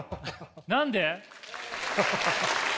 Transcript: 何で？